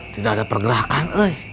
tidak ada pergerakan